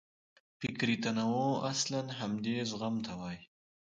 فکري تنوع اصلاً همدې زغم ته وایي.